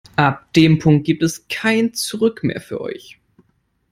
Ab dem Punkt gibt es kein Zurück mehr für euch.